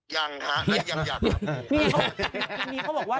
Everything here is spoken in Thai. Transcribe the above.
ยังค่ะนั่นยังอยาก